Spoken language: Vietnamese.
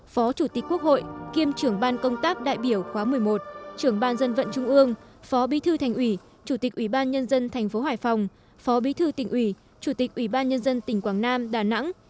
phó chủ tịch quốc hội kiêm trưởng ban công tác đại biểu khóa một mươi một trưởng ban dân vận trung ương phó bí thư thành ủy chủ tịch ủy ban nhân dân tp hải phòng phó bí thư tỉnh ủy chủ tịch ủy ban nhân dân tỉnh quảng nam đà nẵng